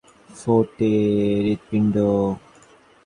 ওর হৃৎপিণ্ডটা যেন টগবগিয়ে ফোটে।